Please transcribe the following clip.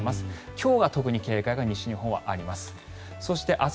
今日は特に警戒が西日本はあります。